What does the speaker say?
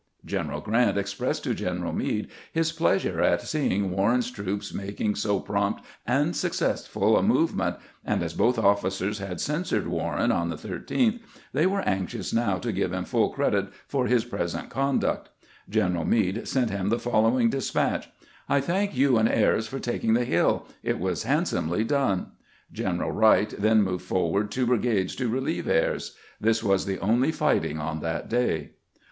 General Grant expressed to General Meade bis pleasure at seeing War ren's troops making so prompt and successful a move ment, and as botb of6.eers bad censured Warren on tbe 13tb, tbey were anxious now to give bim full credit for bis present conduct. General Meade sent bim tbe fol lowing despatch :" I tbank you and Ayres for taking tbe bill. It was handsomely done." General Wright then moved forward two brigades to relieve Ayres. This was the only fighting on that day.